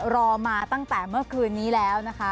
รอมาตั้งแต่เมื่อคืนนี้แล้วนะคะ